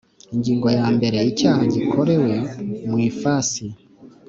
Ingingo ya mbere Icyaha gikorewe mu ifasi